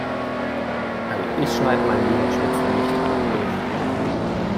Also ich schneide mein Wiener Schnitzel nicht halb durch.